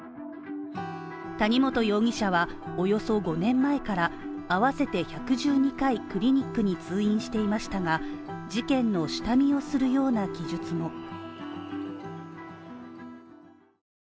谷本容疑者は、およそ５年前から合わせて１１２回クリニックに通院していましたが、事件の下見をするような記述も。